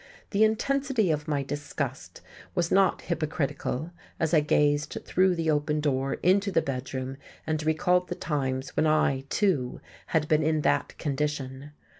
The intensity of my disgust was not hypocritical as I gazed through the open door into the bedroom and recalled the times when I, too, had been in that condition.